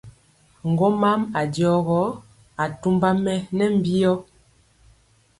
Ŋgomam a jɔ gɔ, atumba mɛ nɛ mbiyɔ.